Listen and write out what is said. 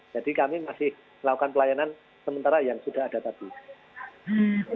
jadi kami masih melakukan pelayanan sementara yang sudah ada di sini